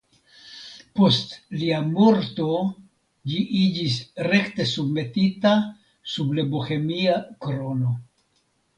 Post lia morto ĝi iĝis rekte submetita sub la Bohemia krono.